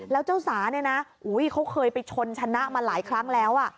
แล้วเจ้าสาเนี่ยนะเขาเคยไปชนชนะมาหลายครั้งแล้ว